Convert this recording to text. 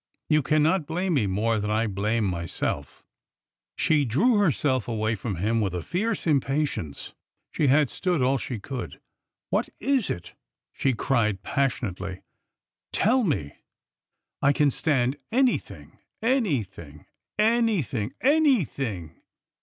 ... You cannot blame me more than I blame myself !" She drew herself away from him with a fierce impa tience. She had stood all she could. "What is it?" she cried passionately; — "tell me! I can stand anything — anything, anything — anything!